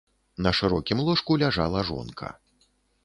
На шырокім ложку ляжала жонка.